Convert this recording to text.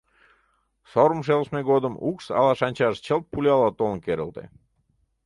Сорымым шелыштме годым укш ала шанчаш чылт пуляла толын керылте.